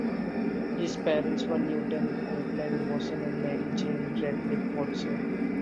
His parents were Newton Copeland Wasson and Mary Jane (Ratliff) Watson.